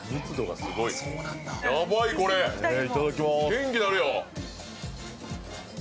元気なるよ。